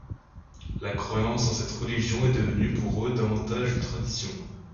La croyance en cette religion est devenue pour eux davantage une tradition.